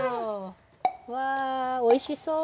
わあおいしそう。